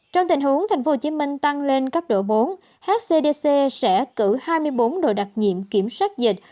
trong tình huống tp hcm tăng lên cấp độ bốn hcdc sẽ cử hai mươi bốn đội đặc nhiệm kiểm soát dịch